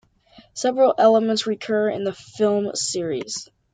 Several elements recur in the films series.